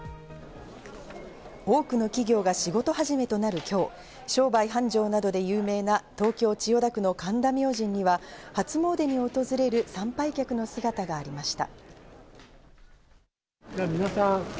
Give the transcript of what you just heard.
多くの企業が仕事始めとなる今日、商売繁盛などで有名な東京・千代田区の神田明神には初詣に訪れる参拝客の姿がありました。